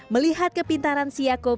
melihat kepintaran siako